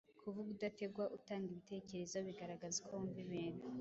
kuvuga udategwa, utanga ibitekerezo bigaragaza uko wumva ibintu